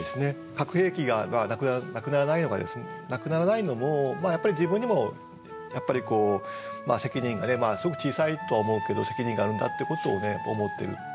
核兵器がなくならないのも自分にもやっぱり責任がねすごく小さいとは思うけど責任があるんだってことをね思ってる。